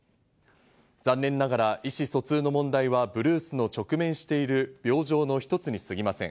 残念ながら、意思疎通の問題はブルースの直面している病状の一つに過ぎません。